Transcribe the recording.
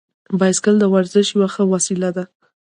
بایسکل د ورزش یوه ښه وسیله ده.